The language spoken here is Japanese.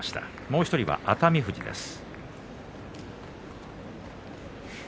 もう１人は熱海富士です。